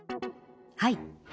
はい。